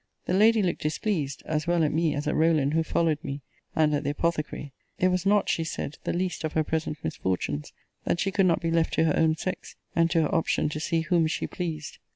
The lady looked displeased, as well at me as at Rowland, who followed me, and at the apothecary. It was not, she said, the least of her present misfortunes, that she could not be left to her own sex; and to her option to see whom she pleased.